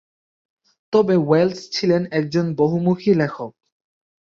তবে ওয়েলস ছিলেন একজন বহুমুখী লেখক।